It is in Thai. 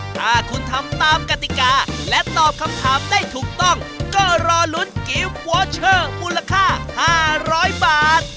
ถ้าคุณทำตามกติกาและตอบคำถามได้ถูกต้องก็รอลุ้นกิฟต์วอเชอร์มูลค่า๕๐๐บาท